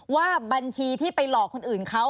ว่าบัญชีที่ไปหลอกคนอื่นเขา